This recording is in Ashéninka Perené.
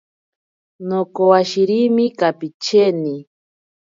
Nokowashirimi kapicheni.